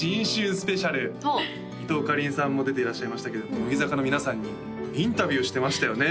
スペシャル伊藤かりんさんも出ていらっしゃいましたけれども乃木坂の皆さんにインタビューしてましたよね